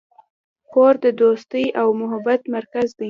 کور د دوستۍ او محبت مرکز دی.